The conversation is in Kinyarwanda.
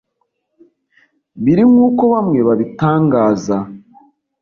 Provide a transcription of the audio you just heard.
biri Nkuko bamwe babitangaza